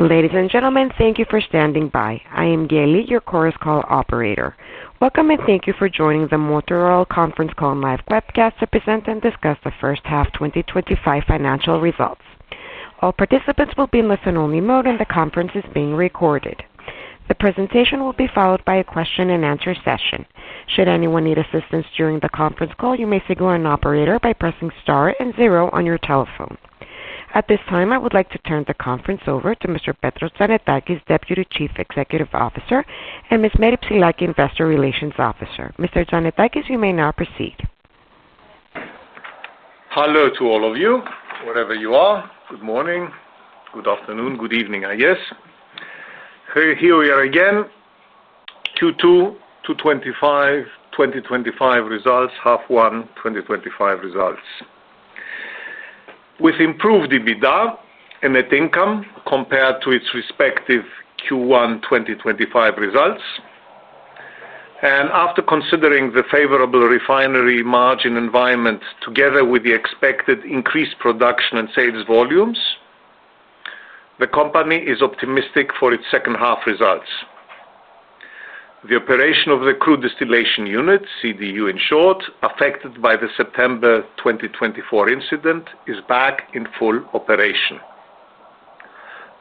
Ladies and gentlemen, thank you for standing by. I am Geli, your Chorus Call operator. Welcome, and thank you for joining the Motor Oil conference call live webcast to present and discuss the first half 2025 financial results. All participants will be in listen-only mode, and the conference is being recorded. The presentation will be followed by a question and answer session. Should anyone need assistance during the conference call, you may signal an operator by pressing star and zero on your telephone. At this time, I would like to turn the conference over to Mr. Petros Tzannetakis, Deputy Chief Executive Officer, and Ms. Mehtap Silaki, Investor Relations Officer. Mr. Tzannetakis, you may now proceed. Hello to all of you, wherever you are. Good morning. Good afternoon. Good evening, I guess. Here we are again. Q2 2025, 2025 results, half one 2025 results. With improved EBITDA and net income compared to its respective Q1 2025 results, and after considering the favorable refinery margin environment together with the expected increased production and sales volumes, the company is optimistic for its second half results. The operation of the crude distillation unit, CDU in short, affected by the September 2024 incident, is back in full operation.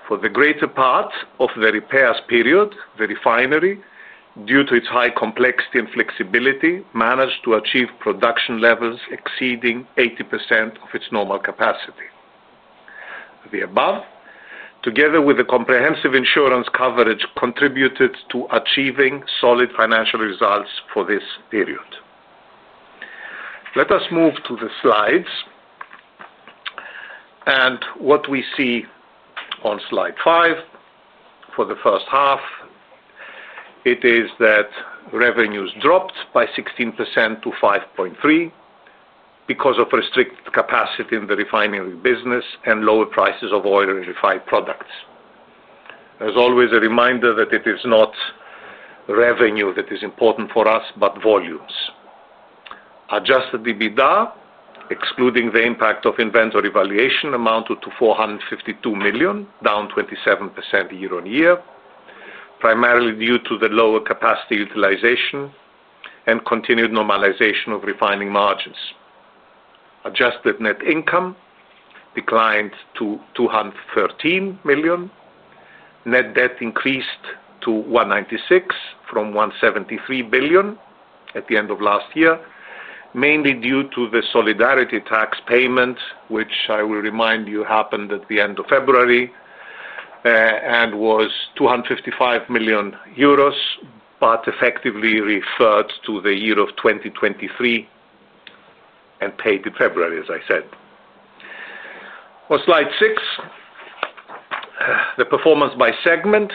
For the greater part of the repairs period, the refinery, due to its high complexity and flexibility, managed to achieve production levels exceeding 80% of its normal capacity. The above, together with the comprehensive insurance coverage, contributed to achieving solid financial results for this period. Let us move to the slides. What we see on slide five for the first half is that revenues dropped by 16% to €5.3 billion because of restricted capacity in the refinery business and lower prices of oil-refined products. As always, a reminder that it is not revenue that is important for us, but volumes. Adjusted EBITDA, excluding the impact of inventory valuation, amounted to €452 million, down 27% year-on-year, primarily due to the lower capacity utilization and continued normalization of refining margins. Adjusted net income declined to €213 million. Net debt increased to €1.96 billion from €1.73 billion at the end of last year, mainly due to the solidarity tax payment, which I will remind you happened at the end of February and was €255 million, but effectively referred to the year of 2023 and paid in February, as I said. On slide six, the performance by segment,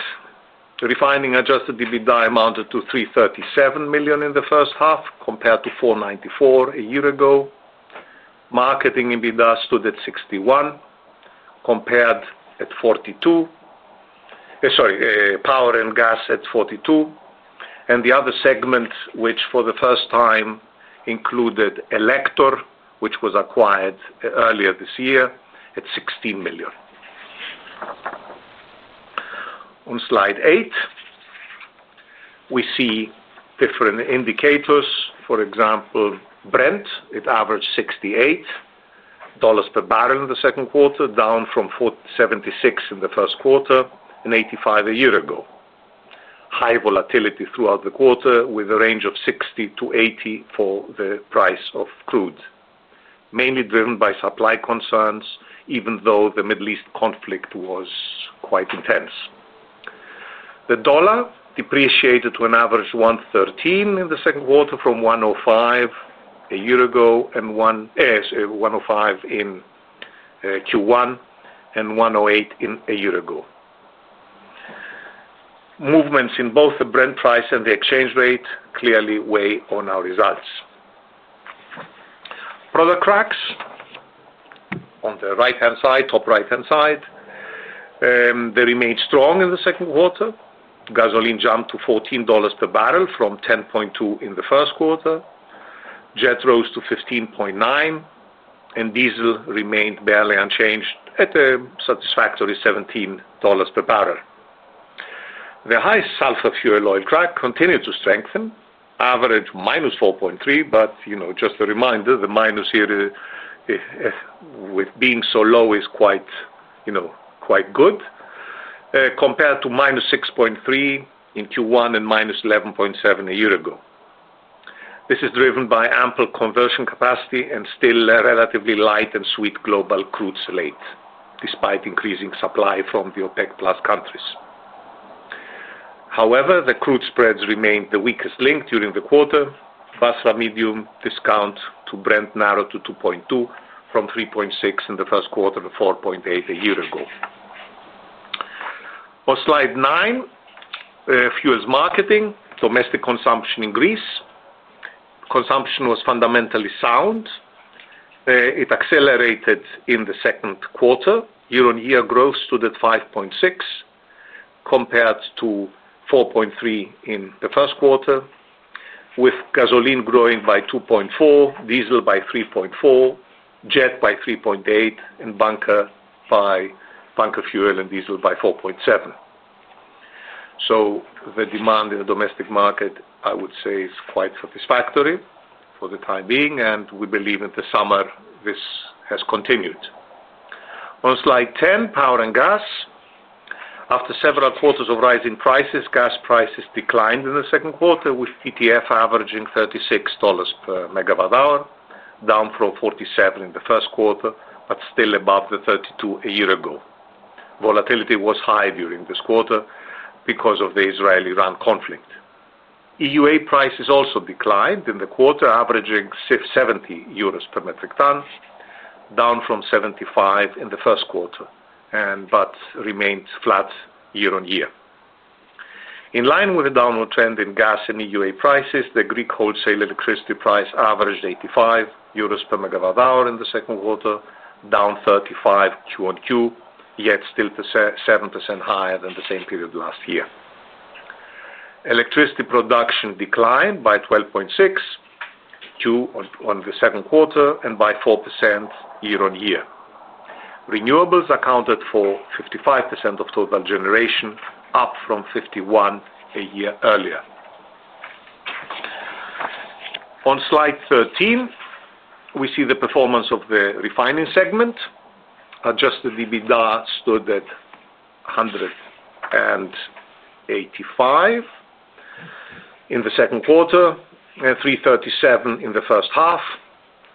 refining adjusted EBITDA amounted to €337 million in the first half compared to €494 million a year ago. Marketing EBITDA stood at €61 million, power and gas at €42 million, and the other segment, which for the first time included Elector, which was acquired earlier this year, at €16 million. On slide eight, we see different indicators. For example, Brent averaged €68 per barrel in the second quarter, down from €76 in the first quarter and €85 a year ago. There was high volatility throughout the quarter with a range of €60-€80 for the price of crude, mainly driven by supply concerns, even though the Middle East conflict was quite intense. The dollar depreciated to an average of $1.13 in the second quarter from $1.05 a year ago and $1.05 in Q1 and 1.08 a year ago. Movements in both the Brent price and the exchange rate clearly weigh on our results. Product tracks on the right-hand side, top right-hand side, they remained strong in the second quarter. Gasoline jumped to $14 per barrel from $10.2 in the first quarter. Jet rose to $15.9, and diesel remained barely unchanged at a satisfactory $17 per barrel. The high sulfur fuel oil track continued to strengthen, average -4.3%, but you know, just a reminder, the minus here with being so low is quite, you know, quite good compared to -6.3% in Q1 and -11.7% a year ago. This is driven by ample conversion capacity and still relatively light and sweet global crude slate, despite increasing supply from the OPEC+ countries. However, the crude spreads remained the weakest link during the quarter. Basra medium discount to Brent narrowed to 2.2% from 3.6% in the first quarter to 4.8% a year ago. On slide nine, fuel marketing, domestic consumption increased. Consumption was fundamentally sound. It accelerated in the second quarter. Year-on-year growth stood at 5.6% compared to 4.3% in the first quarter, with gasoline growing by 2.4%, diesel by 3.4%, jet by 3.8%, and bunker fuel and diesel by 4.7%. The demand in the domestic market, I would say, is quite satisfactory for the time being, and we believe in the summer this has continued. On slide 10, power and gas. After several quarters of rising prices, gas prices declined in the second quarter, with ETF averaging $36 per MWh, down from $47 in the first quarter, but still above the $32 a year ago. Volatility was high during this quarter because of the Israeli-Iran conflict. EUA prices also declined in the quarter, averaging €70 per metric ton, down from €75 in the first quarter, but remained flat year on year. In line with a downward trend in gas and EUA prices, the Greek wholesale electricity price averaged €85 per MWh in the second quarter, down 35% Q on Q, yet still 7% higher than the same period last year. Electricity production declined by 12.6% Q on the second quarter and by 4% year on year. Renewables accounted for 55% of total generation, up from 51% a year earlier. On slide 13, we see the performance of the refining segment. Adjusted EBITDA stood at €185 in the second quarter and €337 in the first half,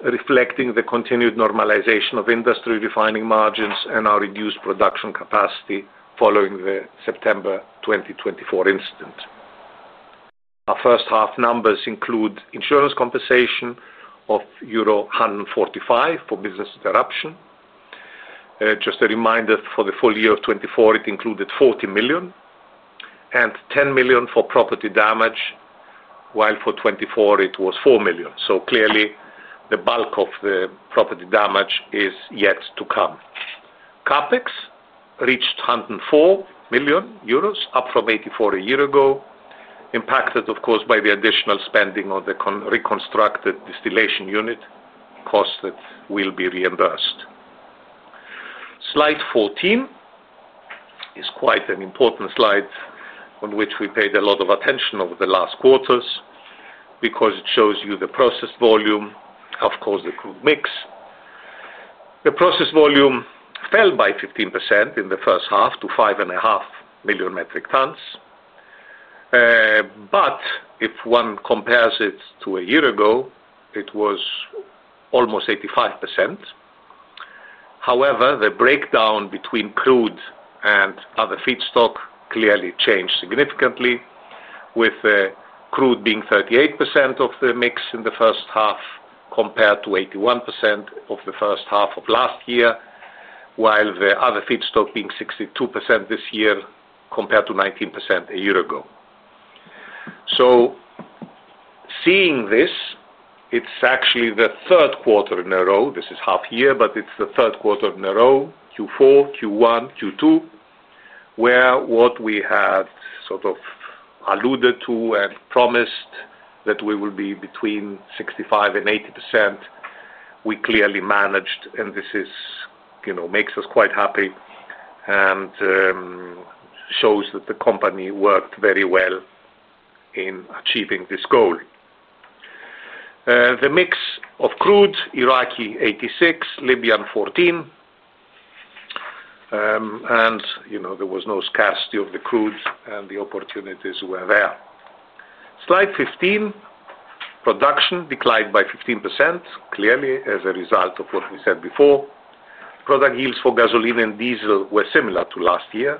reflecting the continued normalization of industry refining margins and our reduced production capacity following the September 2024 incident. Our first half numbers include insurance compensation of €145 million for business interruption. Just a reminder, for the full year of 2024, it included €40 million and €10 million for property damage, while for 2024 it was €4 million. Clearly, the bulk of the property damage is yet to come. CapEx reached €104 million, up from €84 million a year ago, impacted, of course, by the additional spending on the reconstructed distillation unit cost that will be reimbursed. Slide 14 is quite an important slide on which we paid a lot of attention over the last quarters because it shows you the processed volume, of course, the crude mix. The processed volume fell by 15% in the first half to 5.5 million metric tons. If one compares it to a year ago, it was almost 85%. However, the breakdown between crude and other feedstock clearly changed significantly, with the crude being 38% of the mix in the first half compared to 81% of the first half of last year, while the other feedstock being 62% this year compared to 19% a year ago. Seeing this, it's actually the third quarter in a row. This is half a year, but it's the third quarter in a row, Q4, Q1, Q2, where what we had sort of alluded to and promised that we will be between 65% and 80%, we clearly managed, and this makes us quite happy and shows that the company worked very well in achieving this goal. The mix of crude, Iraqi 86%, Libyan 14%, and there was no scarcity of the crude, and the opportunities were there. Slide 15, production declined by 15%, clearly as a result of what we said before. Product yields for gasoline and diesel were similar to last year.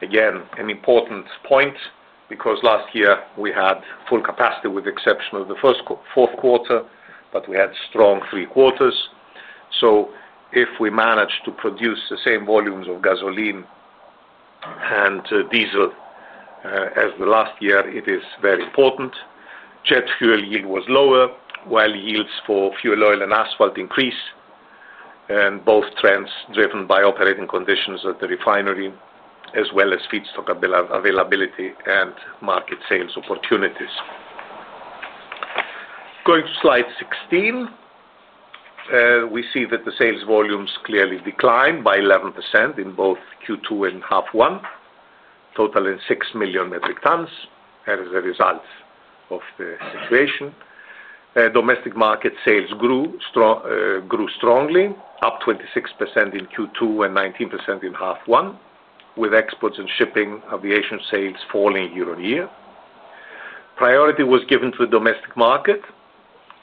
Again, an important point because last year we had full capacity with the exception of the first fourth quarter, but we had strong three quarters. If we managed to produce the same volumes of gasoline and diesel as the last year, it is very important. Jet fuel yield was lower, while yields for fuel oil and asphalt increased, and both trends driven by operating conditions at the refinery, as well as feedstock availability and market sales opportunities. Going to slide 16, we see that the sales volumes clearly declined by 11% in both Q2 and half one, totaling 6 million metric tons. As a result of the situation, domestic market sales grew strongly, up 26% in Q2 and 19% in half one, with exports and shipping aviation sales falling year on year. Priority was given to the domestic market.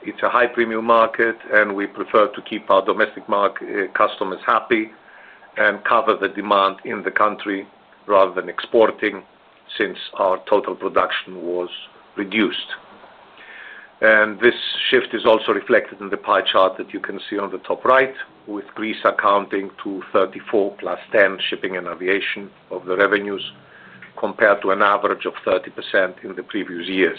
It's a high premium market, and we prefer to keep our domestic customers happy and cover the demand in the country rather than exporting since our total production was reduced. This shift is also reflected in the pie chart that you can see on the top right, with Greece accounting for 34%+10% shipping and aviation of the revenues compared to an average of 30% in the previous years.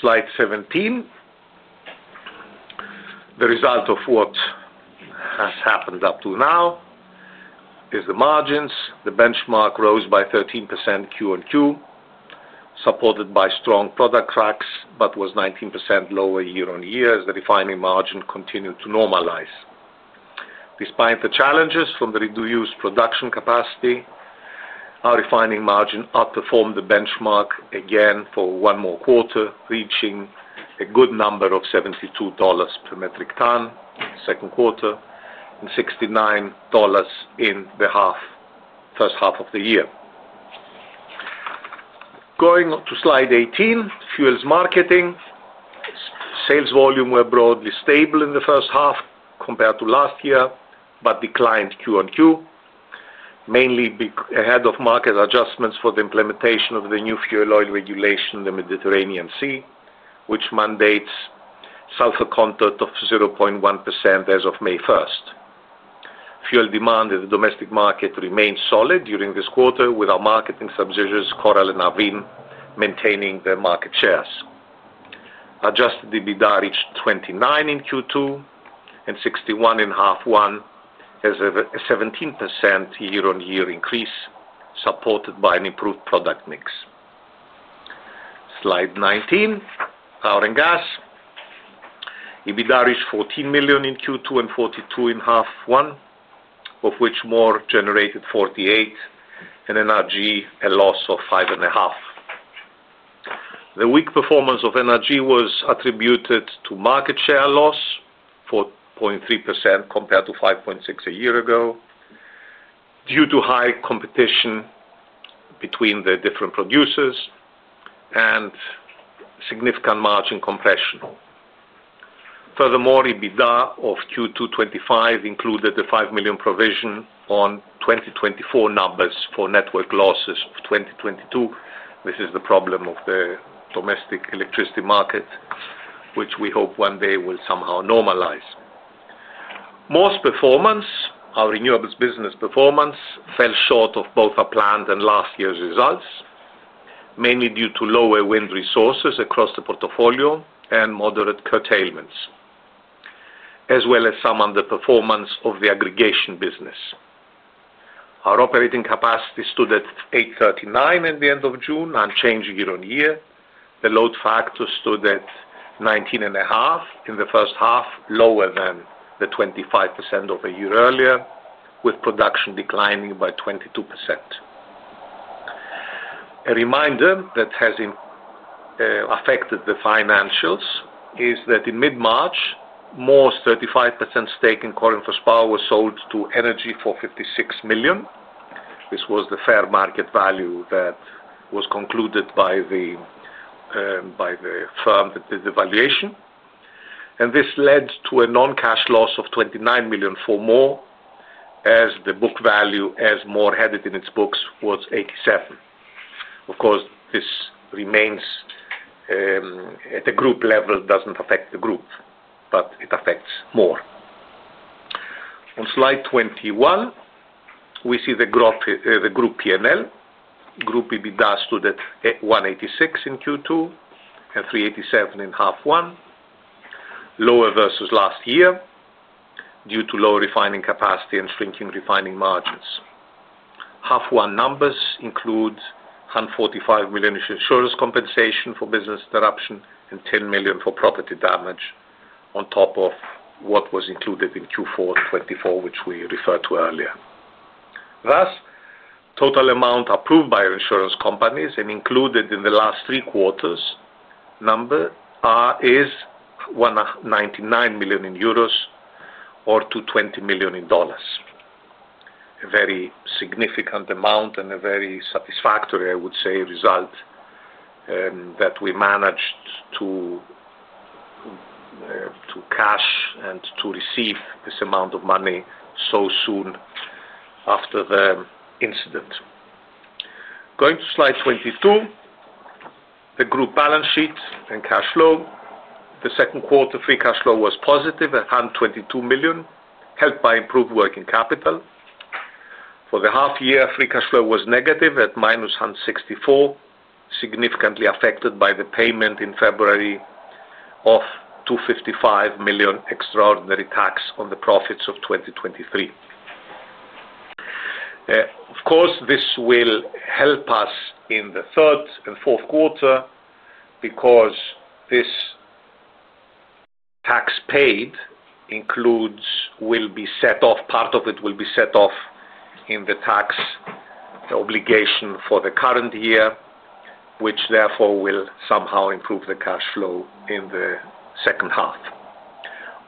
Slide 17, the result of what has happened up to now is the margins. The benchmark rose by 13% Q on Q, supported by strong product cracks, but was 19% lower year-on-year as the refining margin continued to normalize. Despite the challenges from the reduced production capacity, our refining margin outperformed the benchmark again for one more quarter, reaching a good number of $72 per metric ton in the second quarter and $69 in the first half of the year. Going to slide 18, fuels marketing. Sales volume were broadly stable in the first half compared to last year, but declined Q on Q, mainly ahead of market adjustments for the implementation of the new fuel oil regulation in the Mediterranean, which mandates sulfur content of 0.1% as of May 1st. Fuel demand in the domestic market remains solid during this quarter, with our marketing subsidiaries Coral and Avin maintaining their market shares. Adjusted EBITDA reached $29 million in Q2 and $61 million in half one as a 17% year-on-year increase, supported by an improved product mix. Slide 19, power and gas. EBITDA reached €14 million in Q2 and €42 million in half one, of which MORE generated €48 million and NRG a loss of €5.5 million. The weak performance of NRG was attributed to market share loss, 4.3% compared to 5.6% a year ago, due to high competition between the different producers and significant margin compression. Furthermore, EBITDA of Q2 2025 included a €5 million provision on 2024 numbers for network losses of 2022. This is the problem of the domestic electricity market, which we hope one day will somehow normalize. Most performance, our renewables business performance, fell short of both our planned and last year's results, mainly due to lower wind resources across the portfolio and moderate curtailments, as well as some underperformance of the aggregation business. Our operating capacity stood at 839 MW at the end of June, unchanged year on year. The load factor stood at 19.5% in the first half, lower than the 25% of a year earlier, with production declining by 22%. A reminder that has affected the financials is that in mid-March, a 35% stake in Corinthos Power was sold to Energy for €56 million. This was the fair market value that was concluded by the firm that did the valuation. This led to a non-cash loss of €29 million for MOR as the book value, as MOR had in its books, was €87 million. Of course, this remains at a group level, doesn't affect the group, but it affects MOR. On slide 21, we see the group P&L. Group EBITDA stood at €186 million in Q2 and €387 million in half one, lower versus last year due to low refining capacity and shrinking refining margins. Half one numbers include €145 million insurance compensation for business interruption and €10 million for property damage, on top of what was included in Q4 2024, which we referred to earlier. Thus, the total amount approved by insurance companies and included in the last three quarters number is €199 million or €220 million. A very significant amount and a very satisfactory, I would say, result that we managed to cash and to receive this amount of money so soon after the incident. Going to slide 22, a group balance sheet and cash flow. The second quarter free cash flow was positive at €122 million, helped by improved working capital. For the half year, free cash flow was negative at -€164 million, significantly affected by the payment in February of €255 million extraordinary tax on the profits of 2023. Of course, this will help us in the third and fourth quarter because this tax paid will be set off. Part of it will be set off in the tax obligation for the current year, which therefore will somehow improve the cash flow in the second half.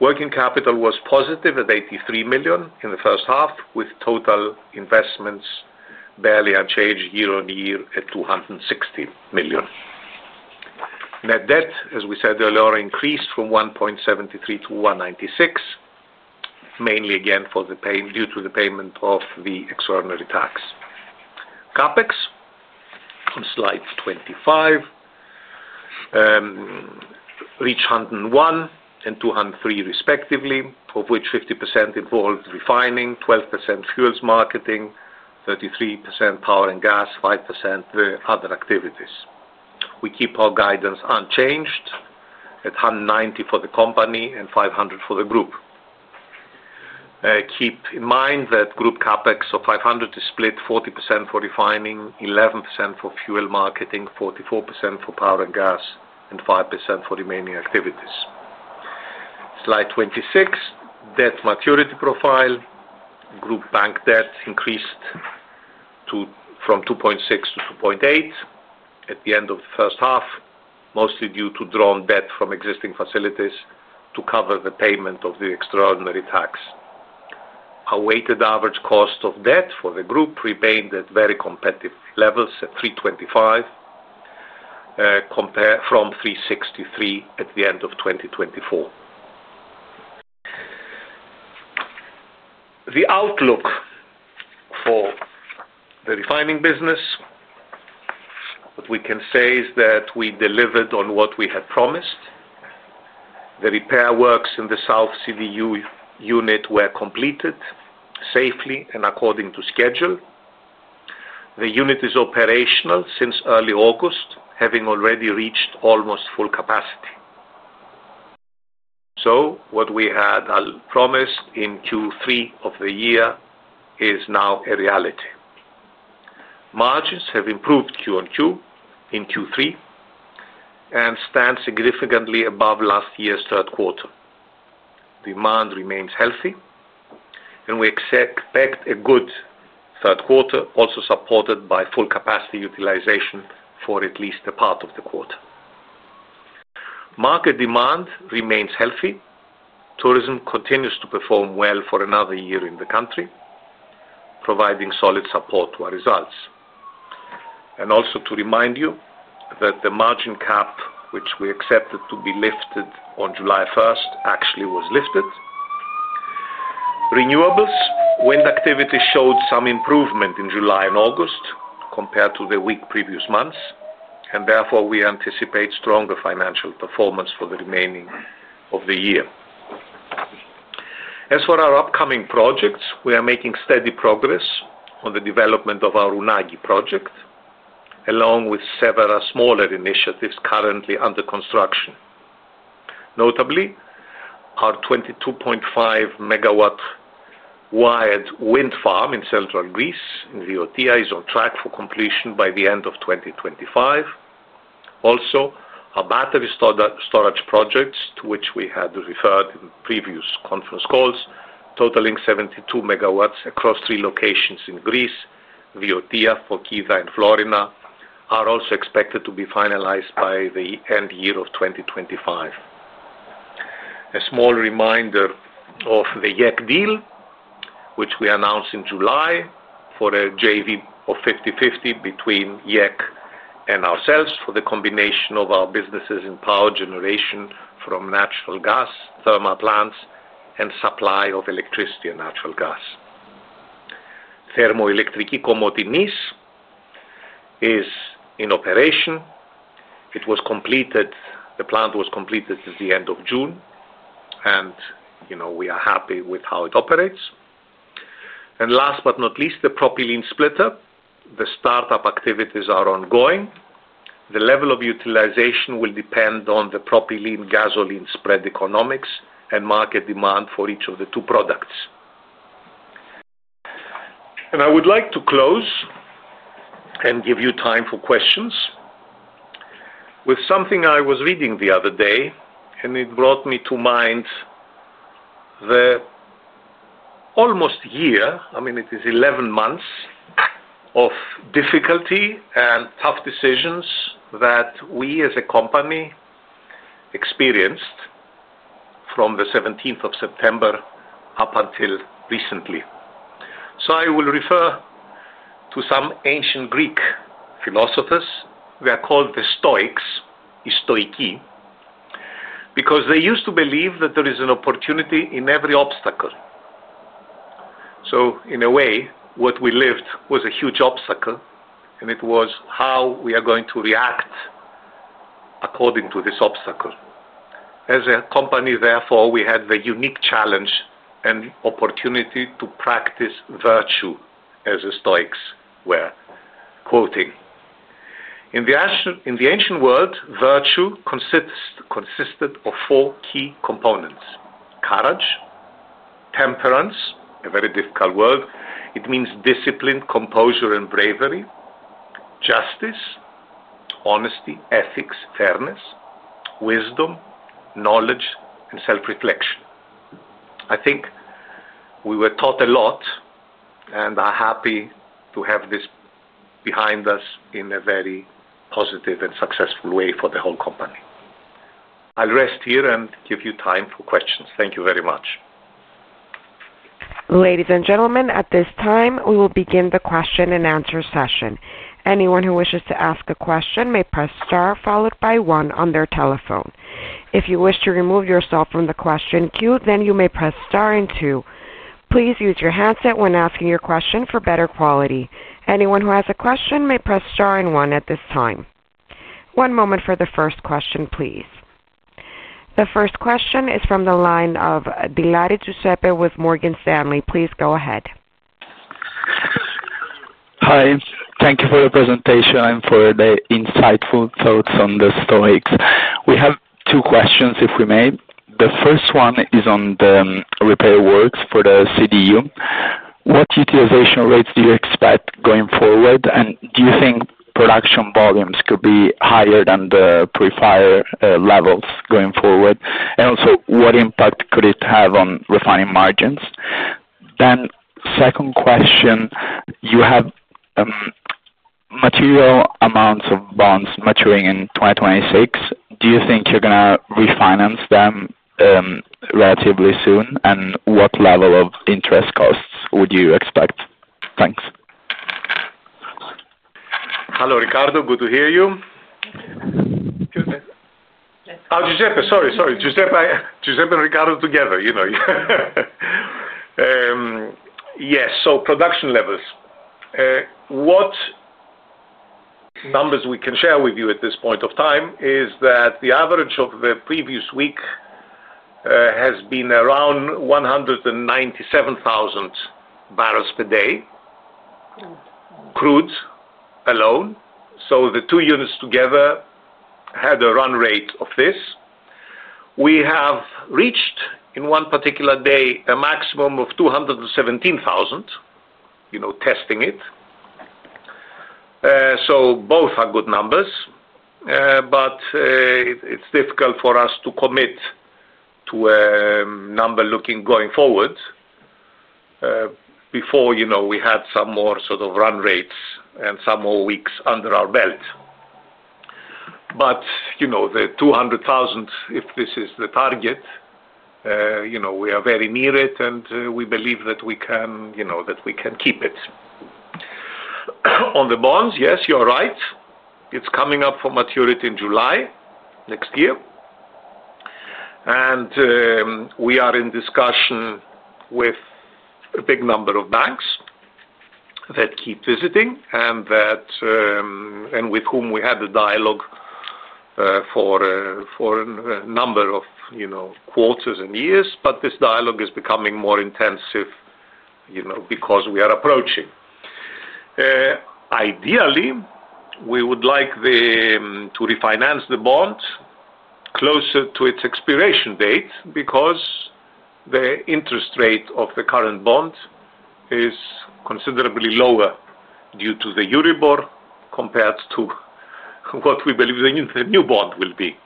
Working capital was positive at €83 million in the first half, with total investments barely unchanged year on year at €216 million. Net debt, as we said earlier, increased from €1.73 billion to €1.96 billion, mainly again due to the payment of the extraordinary tax. CapEx on slide 25 reached €101 million and €203 million respectively, of which 50% involved refining, 12% fuels marketing, 33% power and gas, 5% the other activities. We keep our guidance unchanged at €190 million for the company and €500 million for the group. Keep in mind that group CapEx of €500 million is split 40% for refining, 11% for fuel marketing, 44% for power and gas, and 5% for remaining activities. Slide 26, debt maturity profile. Group bank debts increased from €2.6 billion to €2.8 billion at the end of the first half, mostly due to drawn debt from existing facilities to cover the payment of the extraordinary tax. A weighted average cost of debt for the group remain at very competitive levels at 3.25% from 3.63% at the end of 2024. The outlook for the refining business, what we can say is that we delivered on what we had promised. The repair works in the south CDU unit were completed safely and according to schedule. The unit is operational since early August, having already reached almost full capacity. What we had promised in Q3 of the year is now a reality. Margins have improved Q on Q in Q3 and stand significantly above last year's third quarter. Demand remains healthy, and we expect a good third quarter, also supported by full capacity utilization for at least a part of the quarter. Market demand remains healthy. Tourism continues to perform well for another year in the country, providing solid support to our results. Also to remind you that the margin cap, which we accepted to be lifted on July 1st, actually was lifted. Renewables, wind activity showed some improvement in July and August compared to the weak previous months, and therefore we anticipate stronger financial performance for the remaining of the year. As for our upcoming projects, we are making steady progress on the development of our Unagi project, along with several smaller initiatives currently under construction. Notably, our 22.5 MW wind farm in central Greece in OTIA is on track for completion by the end of 2025. Also, our battery storage projects, to which we had referred in previous conference calls, totaling 72 MW across three locations in Greece, Viotia, Fokida, and Florina, are also expected to be finalized by the end of 2025. A small reminder of the YEK deal, which we announced in July for a JV of 50-50 between YEK and ourselves for the combination of our businesses in power generation from natural gas, thermal plants, and supply of electricity and natural gas. Thermoilektriki Komotinis is in operation. It was completed. The plant was completed at the end of June, and you know we are happy with how it operates. Last but not least, the propylene splitter. The startup activities are ongoing. The level of utilization will depend on the propylene-gasoline spread economics and market demand for each of the two products. I would like to close and give you time for questions with something I was reading the other day, and it brought to mind the almost year, I mean, it is 11 months of difficulty and tough decisions that we as a company experienced from the 17th of September up until recently. I will refer to some ancient Greek philosophers. They are called the Stoics, οι Στωικοί, because they used to believe that there is an opportunity in every obstacle. In a way, what we lived was a huge obstacle, and it was how we are going to react according to this obstacle. As a company, therefore, we had the unique challenge and opportunity to practice virtue, as the Stoics were quoting. In the ancient world, virtue consisted of four key components: courage, temperance, a very difficult word. It means discipline, composure, and bravery, justice, honesty, ethics, fairness, wisdom, knowledge, and self-reflection. I think we were taught a lot and are happy to have this behind us in a very positive and successful way for the whole company. I'll rest here and give you time for questions. Thank you very much. Ladies and gentlemen, at this time, we will begin the question-and-answer session. Anyone who wishes to ask a question may press Star followed by one on their telephone. If you wish to remove yourself from the question queue, then you may press Star and two. Please use your handset when asking your question for better quality. Anyone who has a question may press Star and one at this time. One moment for the first question, please. The first question is from the line of Villari Giuseppe. Please go ahead. Hi, thank you for your presentation and for the insightful thoughts on the Stoics. We have two questions, if we may. The first one is on the repair works for the CDU. What utilization rates do you expect going forward, and do you think production volumes could be higher than the pre-fire levels going forward? What impact could it have on refining margins? The second question, you have material amounts of bonds maturing in 2026. Do you think you're going to refinance them relatively soon, and what level of interest costs would you expect? Thanks. Hello Ricardo, good to hear you. Thank you. Oh, Giuseppe, sorry, sorry. Giuseppe and Ricardo together, you know. Yes, so production levels. What numbers we can share with you at this point of time is that the average of the previous week has been around 197,000 bbls per day, crude alone. The two units together had a run rate of this. We have reached in one particular day a maximum of 217,000 bbls, you know, testing it. Both are good numbers, but it's difficult for us to commit to a number looking going forward before we had some more sort of run rates and some more weeks under our belt. The 200,000 bbls, if this is the target, we are very near it, and we believe that we can keep it. On the bonds, yes, you're right. It's coming up for maturity in July next year. We are in discussion with a big number of banks that keep visiting and with whom we had a dialogue for a number of quarters and years. This dialogue is becoming more intensive because we are approaching. Ideally, we would like to refinance the bonds closer to its expiration date because the interest rate of the current bond is considerably lower due to the Euribor compared to what we believe the new bond will be.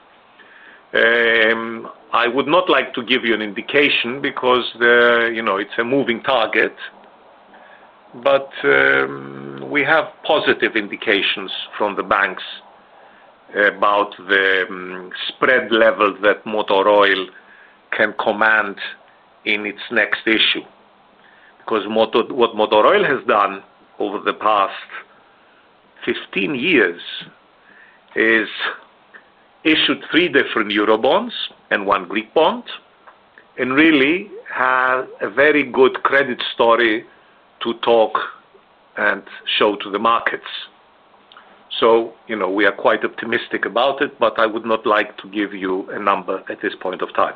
I would not like to give you an indication because it's a moving target. We have positive indications from the banks about the spread level that Motor Oil can command in its next issue. What Motor Oil has done over the past 15 years is issued three different Eurobonds and one Greek bond and really has a very good credit story to talk and show to the markets. We are quite optimistic about it, but I would not like to give you a number at this point of time.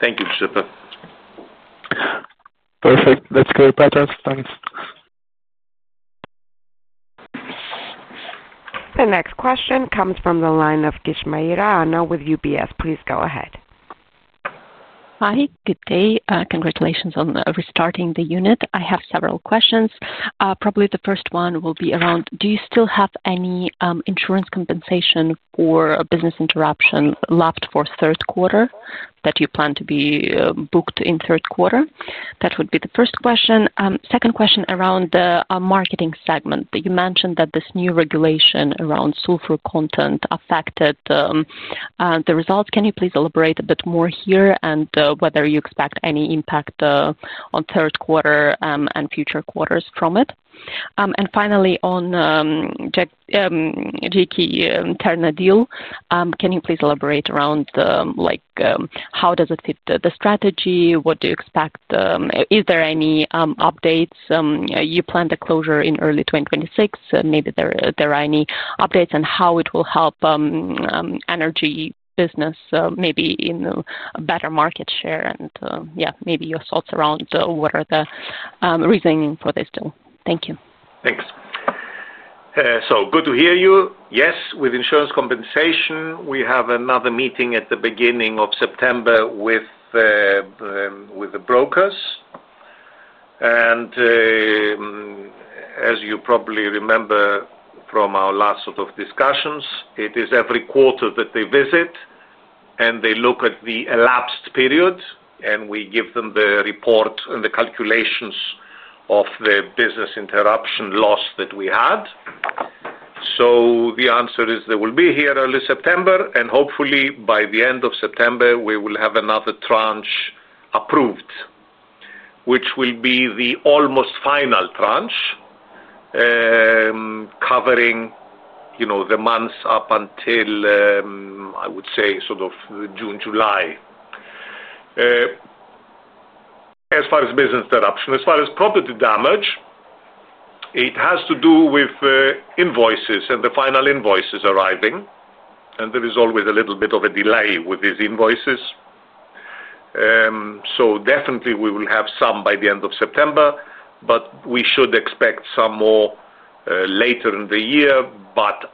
Thank you, Giuseppe. Perfect. That's great, Petros. Thanks. The next question comes from the line of Kishmariya with UBS. Please go ahead. Hi, good day. Congratulations on restarting the unit. I have several questions. Probably the first one will be around, do you still have any insurance compensation for business interruption lapped for third quarter that you plan to be booked in third quarter? That would be the first question. Second question around the marketing segment. You mentioned that this new regulation around sulfur content affected the results. Can you please elaborate a bit more here and whether you expect any impact on third quarter and future quarters from it? Finally, on GEK andTERNA, can you please elaborate around how does it fit the strategy? What do you expect? Is there any updates? You plan the closure in early 2026. Maybe there are any updates on how it will help energy business, maybe in better market share? Maybe your thoughts around what are the reasoning for this deal? Thank you. Thanks. Good to hear you. Yes, with insurance compensation, we have another meeting at the beginning of September with the brokers. As you probably remember from our last discussions, it is every quarter that they visit and they look at the elapsed period, and we give them the report and the calculations of the business interruption loss that we had. The answer is they will be here early September, and hopefully by the end of September, we will have another tranche approved, which will be the almost final tranche covering the months up until, I would say, June, July. As far as business interruption, as far as property damage, it has to do with invoices and the final invoices arriving. There is always a little bit of a delay with these invoices. Definitely, we will have some by the end of September, but we should expect some more later in the year.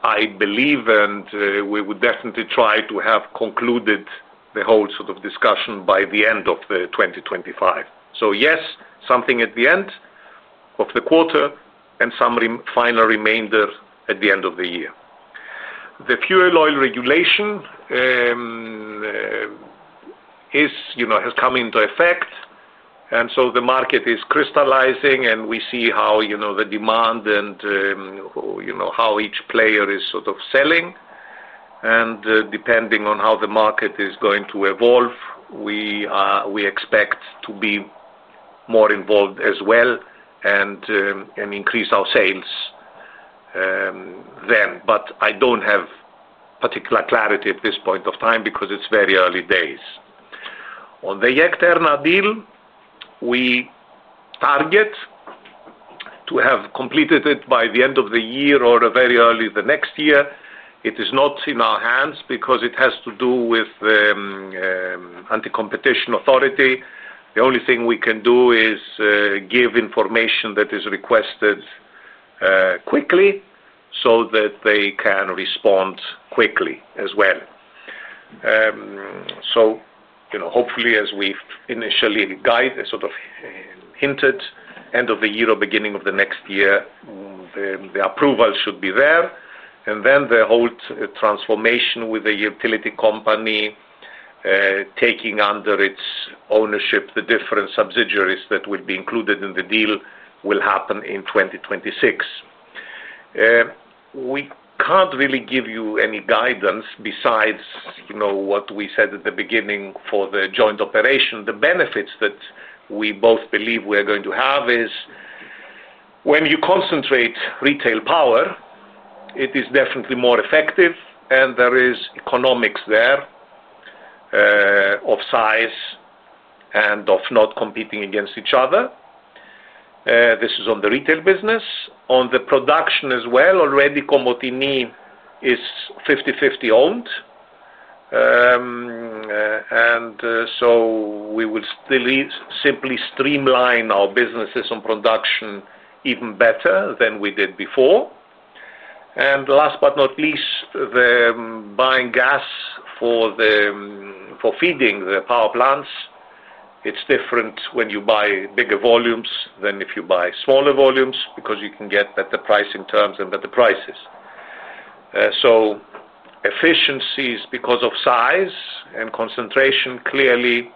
I believe, and we would definitely try to have concluded the whole discussion by the end of 2025. Yes, something at the end of the quarter and some final remainder at the end of the year. The fuel oil regulation has come into effect, and the market is crystallizing, and we see how the demand and how each player is selling. Depending on how the market is going to evolve, we expect to be more involved as well and increase our sales then. I don't have particular clarity at this point of time because it's very early days. On the GEK TERNA deal, we target to have completed it by the end of the year or very early the next year. It is not in our hands because it has to do with the Anti-Competition Authority. The only thing we can do is give information that is requested quickly so that they can respond quickly as well. Hopefully, as we initially guided, hinted end of the year or beginning of the next year, the approval should be there. The whole transformation with the utility company taking under its ownership the different subsidiaries that would be included in the deal will happen in 2026. We can't really give you any guidance besides what we said at the beginning for the joint operation. The benefits that we both believe we are going to have is when you concentrate retail power, it is definitely more effective, and there is economics there of size and of not competing against each other. This is on the retail business. On the production as well, already Komotini is 50-50 owned. We will simply streamline our businesses on production even better than we did before. Last but not least, buying gas for feeding the power plants is different when you buy bigger volumes than if you buy smaller volumes because you can get better pricing terms and better prices. Efficiencies because of size and concentration clearly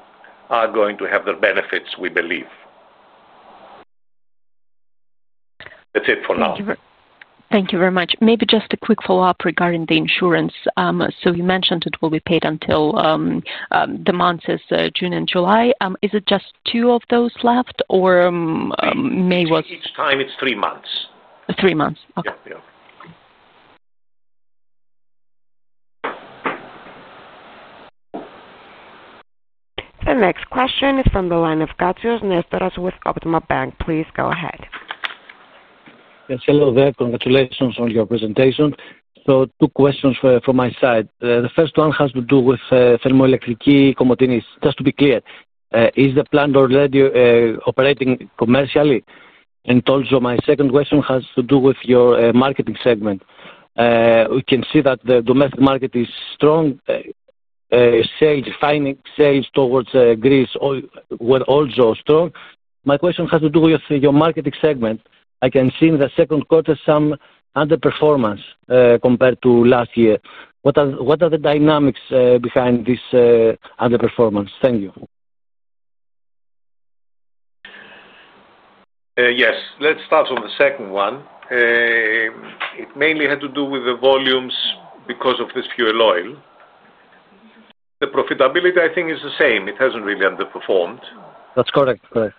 are going to have their benefits, we believe. That's it for now. Thank you very much. Maybe just a quick follow-up regarding the insurance. You mentioned it will be paid until the months of June and July. Is it just two of those left or maybe? Each time it's three months. Three months. Okay. Yeah, be okay. The next question is from the line of Katsios Nestoras with Optima Bank. Please go ahead. Yes, hello, there. Congratulations on your presentation. Two questions from my side. The first one has to do with Thermoilektriki Komotinis. Just to be clear, is the plant already operating commercially? My second question has to do with your marketing segment. We can see that the domestic market is strong. Sales refining, sales towards Greece were also strong. My question has to do with your marketing segment. I can see in the second quarter some underperformance compared to last year. What are the dynamics behind this underperformance? Thank you. Let's start on the second one. It mainly had to do with the volumes because of this fuel oil. The profitability, I think, is the same. It hasn't really underperformed. That's correct. Correct.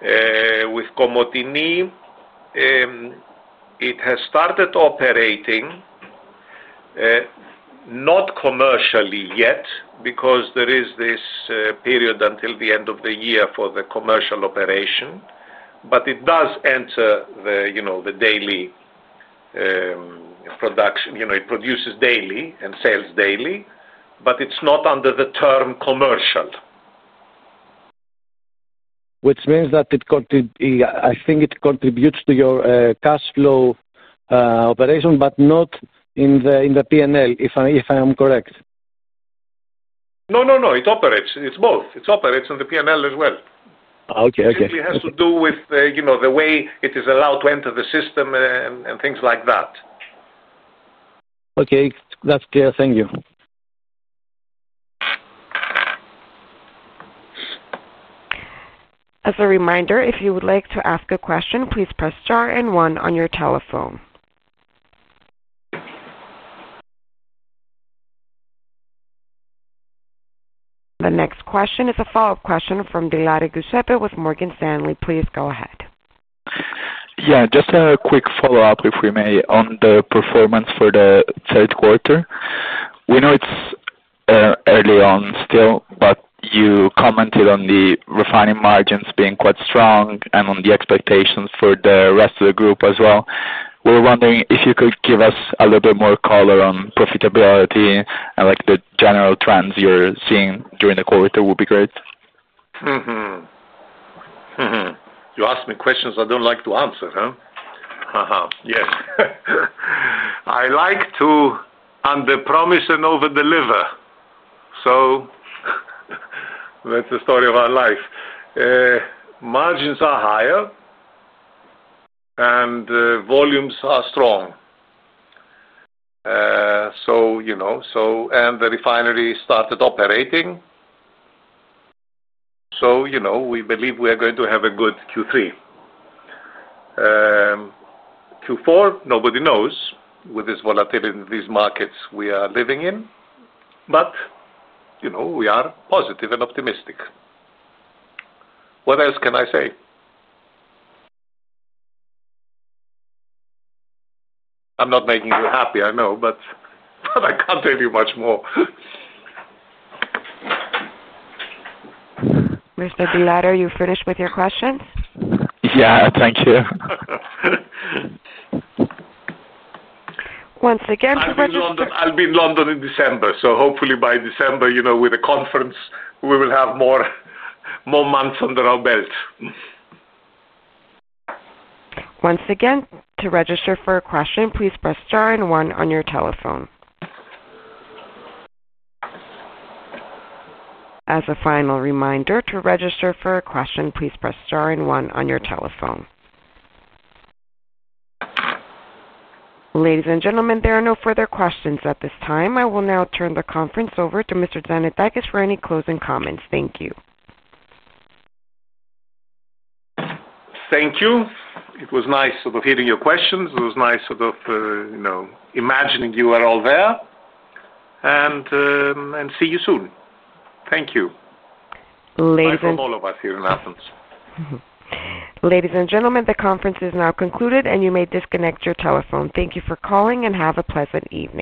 Yeah. With Komotini, it has started operating, not commercially yet because there is this period until the end of the year for the commercial operation. It does enter the daily production. It produces daily and sales daily, but it's not under the term commercial. Which means that I think it contributes to your cash flow operation, but not in the P&L, if I am correct? No, no, no, it operates in both. It operates in the P&L as well. Okay, okay. It has to do with the way it is allowed to enter the system and things like that. Okay, that's clear. Thank you. As a reminder, if you would like to ask a question, please press star and one on your telephone. The next question is a follow-up question from Villari Giuseppe with Morgan Stanley. Please go ahead. Yeah, just a quick follow-up, if we may, on the performance for the third quarter. We know it's early on still, but you commented on the refining margins being quite strong and on the expectations for the rest of the group as well. We're wondering if you could give us a little bit more color on profitability and like the general trends you're seeing during the quarter would be great. You ask me questions I don't like to answer, huh? Yes. I like to under-promise and over-deliver. That's the story of our life. Margins are higher and volumes are strong. You know, and the refinery started operating. You know, we believe we are going to have a good Q3. Q4, nobody knows with this volatility in these markets we are living in. You know, we are positive and optimistic. What else can I say? I'm not making you happy, I know, but I can't tell you much more. Mr. Villari, you're finished with your questions? Yeah, thank you. I'll be in London in December. Hopefully by December, with a conference, we will have more months under our belt. Once again, to register for a question, please press star and one on your telephone. As a final reminder, to register for a question, please press star and one on your telephone. Ladies and gentlemen, there are no further questions at this time. I will now turn the conference over to Mr. Tzannetakis for any closing comments. Thank you. Thank you. It was nice hearing your questions. It was nice imagining you were all there. See you soon. Thank you. Bye from all of us here in Athens. Ladies and gentlemen, the conference is now concluded, and you may disconnect your telephone. Thank you for calling, and have a pleasant evening.